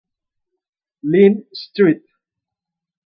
Lyn St.